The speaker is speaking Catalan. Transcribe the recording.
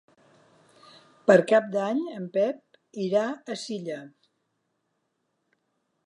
Per Cap d'Any en Pep irà a Silla.